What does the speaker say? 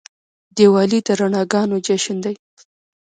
دیوالي د رڼاګانو جشن دی.